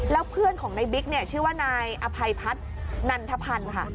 แล้วเพื่อนของในบิ๊กเนี่ยชื่อว่านายอภัยพัฒนันทพันธ์ค่ะ